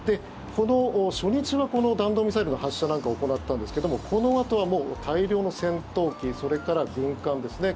この初日は弾道ミサイルの発射なんかを行ったんですけどもこのあとは大量の戦闘機それから軍艦ですね